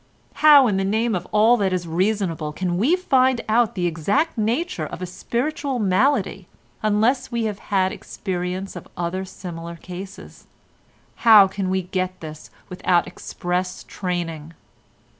How in the name of all that is reasonable can we find out the exact nature of a spiritual malady, unless we have had experience of other similar cases? How can we get this without express training?